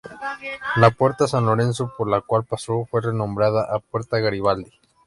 La puerta San Lorenzo, por la cual pasó, fue renombrada a Puerta Garibaldi.